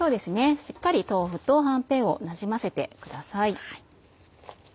しっかり豆腐とはんぺんをなじませてください。